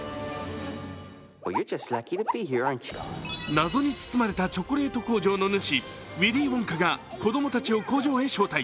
謎に包まれたチョコレート工場の主、ウィリー・ウォンカが子供たちを工場へ招待。